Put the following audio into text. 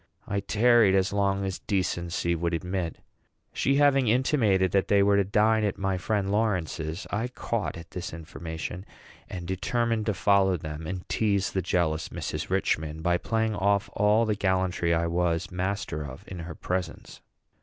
I tarried as long as decency would admit. She having intimated that they were to dine at my friend Lawrence's, I caught at this information, and determined to follow them, and tease the jealous Mrs. Richman by playing off all the gallantry I was master of in her presence.